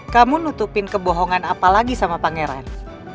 kamu nutupin kebohongan apa lagi sama pangeran